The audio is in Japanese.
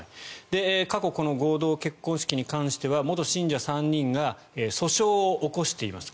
過去、この合同結婚式に関しては元信者３人が訴訟を起こしています。